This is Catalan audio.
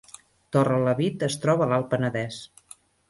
Torrelavit es troba a l’Alt Penedès